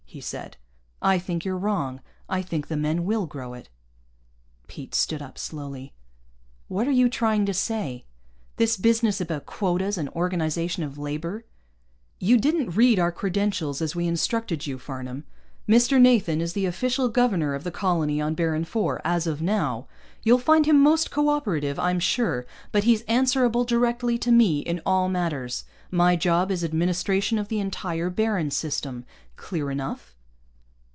he said. "I think you're wrong. I think the men will grow it." Pete stood up slowly. "What are you trying to say? This business about quotas and organization of labor " "You didn't read our credentials as we instructed you, Farnam. Mr. Nathan is the official governor of the colony on Baron IV, as of now. You'll find him most co operative, I'm sure, but he's answerable directly to me in all matters. My job is administration of the entire Baron system. Clear enough?"